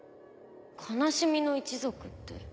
悲しみの一族って。